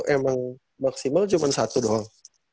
emang maksimal cuma satu doang